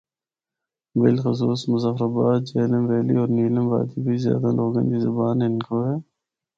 بلخصوص مظفرٓاباد، جہلم ویلی ہور نیلم وادی بچ زیادہ لوگاں دی زبان ہندکو ہے۔